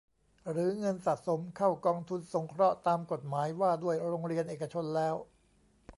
หรือเงินสะสมเข้ากองทุนสงเคราะห์ตามกฎหมายว่าด้วยโรงเรียนเอกชนแล้ว